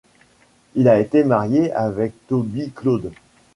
Il a été marié avec Toby Claude.